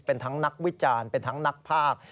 เป็นทั้งนักวิจารณ์เป็นทั้งนักภาค